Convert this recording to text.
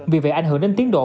vì vậy ảnh hưởng đến tiến độ